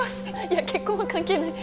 いや結婚は関係ない。